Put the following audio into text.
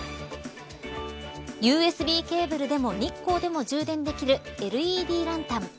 ＵＳＢケーブルでも日光でも充電できるＬＥＤランタン。